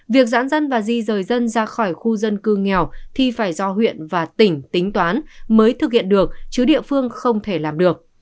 việc giãn dân và di rời dân ra khỏi khu dân cư nghèo thì phải do huyện và tỉnh tính toán mới thực hiện được chứ địa phương không thể làm được